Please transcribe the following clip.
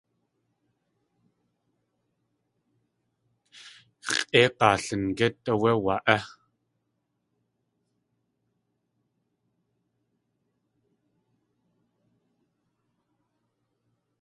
Xʼéig̲aa Lingít áwé wa.é.